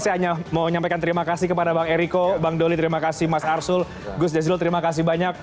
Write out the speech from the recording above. saya hanya mau menyampaikan terima kasih kepada bang eriko bang doli terima kasih mas arsul gus jazilul terima kasih banyak